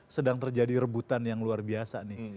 sedang terjadi rebutan yang luar biasa nih